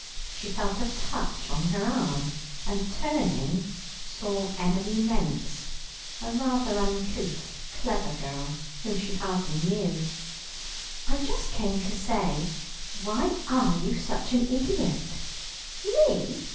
She felt a touch on her arm, and turning round saw Emily Mence, a rather uncouth, clever girl, whom she hardly knew. "I just came to say, Why are you such an idiot?" "Me?"